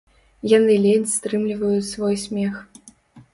Яны ледзь стрымліваюць свой смех.